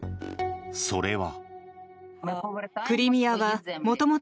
それは。